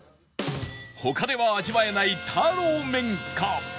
他では味わえないターロー麺か